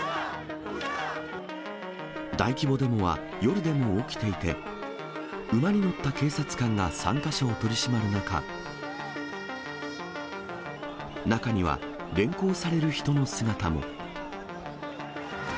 大規模デモは夜でも起きていて、馬に乗った警察官が参加者を取り締まる中、中には、連行される人の姿も。